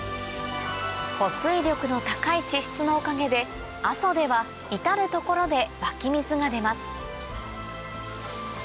保水力の高い地質のおかげで阿蘇では至る所で湧き水が出ます